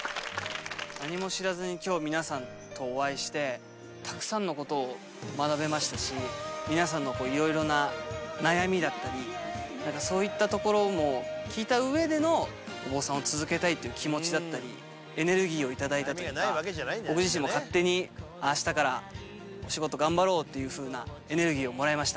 何も知らずにきょう、皆さんとお会いして、たくさんのことを学べましたし、皆さんのいろいろな悩みだったり、なんか、そういったところも聞いたうえでのお坊さんを続けたいっていう気持ちだったり、エネルギーを頂いたっていうか、僕自身も勝手に、あしたからお仕事頑張ろうっていうふうなエネルギーをもらいまし